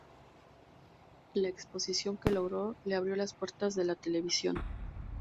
La exposición que logró le abrió las puertas de la televisión.